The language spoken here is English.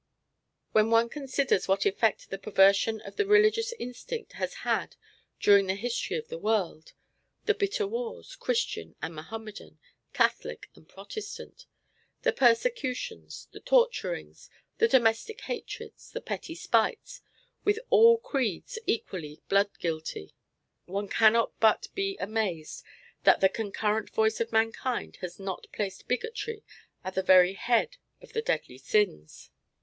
When one considers what effect the perversion of the religious instinct has had during the history of the world; the bitter wars, Christian and Mahomedan, Catholic and Protestant; the persecutions, the torturings, the domestic hatreds, the petty spites, with ALL creeds equally blood guilty, one cannot but be amazed that the concurrent voice of mankind has not placed bigotry at the very head of the deadly sins.